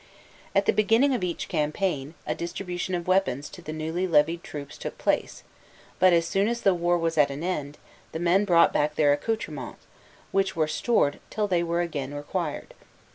At the beginning of each campaign, a distribution of weapons to the newly levied troops took place; but as soon as the war was at an end, the men brought back their accoutrements, which were stored till they were again required.